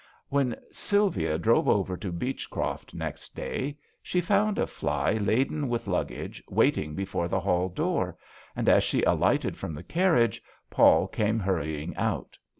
When Sylvia drove over to Beechcroft next day she found a fly laden with luggage waiting before the hall door, and as she alighted from the carriage Paul came hurrying out.